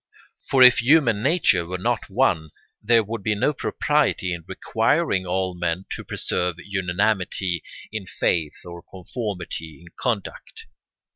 For if human nature were not one, there would be no propriety in requiring all men to preserve unanimity in faith or conformity in conduct.